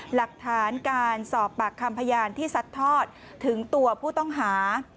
หลักฐานการสอบปากคำพยานที่ซัดทอดถึงตัวผู้ต้องหา